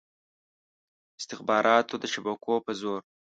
استخباراتو د شبکو په زور.